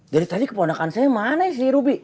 jadi tadi keponakan saya mana sih rubi